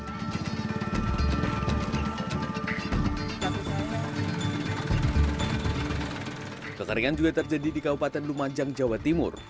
kekeringan juga terjadi di kabupaten lumajang jawa timur